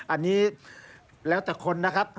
อันนี้แล้วแต่คนนะครับ